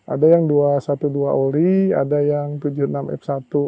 ada yang dua satu dua oli ada yang tujuh enam f satu